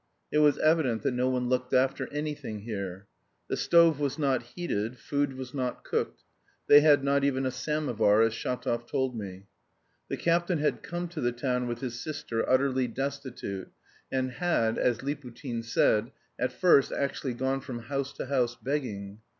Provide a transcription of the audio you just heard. It was evident that no one looked after anything here. The stove was not heated, food was not cooked; they had not even a samovar as Shatov told me. The captain had come to the town with his sister utterly destitute, and had, as Liputin said, at first actually gone from house to house begging.